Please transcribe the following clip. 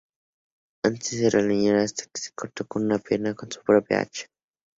Antes era leñador, hasta que se cortó una pierna con su propia hacha.